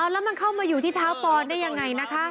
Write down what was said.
แล้วมันเข้ามาอยู่ที่เท้าปอนได้ยังไงนะคะ